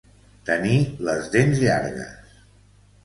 Tenir les dents llargues.